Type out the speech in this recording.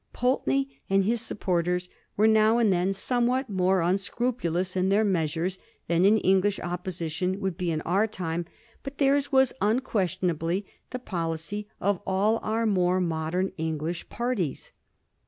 Pulteney and his supporters were now and then somewhat more un scrupulous in their measures liian an English Opposition would be in our time, but theirs was unquestionably the policy of all our more modem English parties.